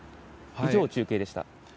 以上、中継でした。